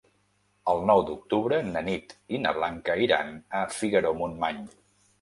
El nou d'octubre na Nit i na Blanca iran a Figaró-Montmany.